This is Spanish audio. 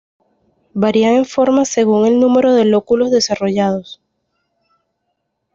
Varían en forma, según el número de lóculos desarrollados.